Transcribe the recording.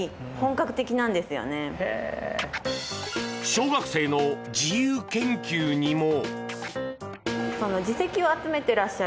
小学生の自由研究にも。